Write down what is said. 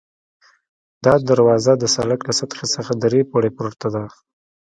دا دروازه د سړک له سطحې څخه درې پوړۍ پورته ده.